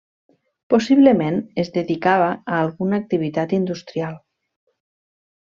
Possiblement es dedicava a alguna activitat industrial.